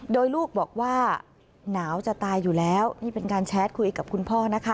โดยลูกบอกว่าหนาวจะตายอยู่แล้วนี่เป็นการแชทคุยกับคุณพ่อนะคะ